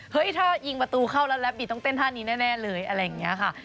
ถ้ายิงประตูเข้าแล้วแล้วบีต้องเต้นท่านี้แน่เลยอะไรอย่างนี้ค่ะ